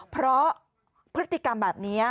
เพราะพฤติกรรมแบบนี้